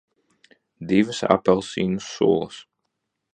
Divas apelsīnu sulas.